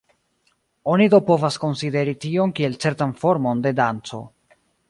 Oni do povas konsideri tion kiel certan formon de danco.